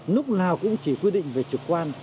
lúc nào cũng chỉ quy định về trực quan